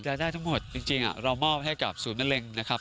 ได้ทั้งหมดจริงเรามอบให้กับศูนย์มะเร็งนะครับ